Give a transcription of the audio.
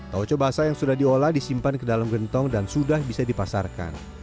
taoco basah yang sudah diolah disimpan ke dalam gentong dan sudah bisa dipasarkan